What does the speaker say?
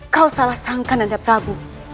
kau salah sangkan anda prabu